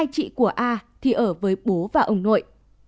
hai chị của a thì ở với bố và ông nội